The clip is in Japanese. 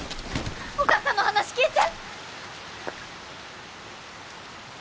お母さんの話聞いて！